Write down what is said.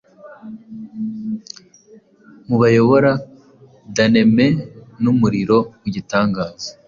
Mubayobora Danemenumurimo wigitangaza-